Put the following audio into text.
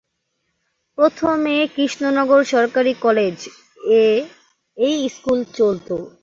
প্রথমে কৃষ্ণনগর সরকারি কলেজ এ এই স্কুল চলত।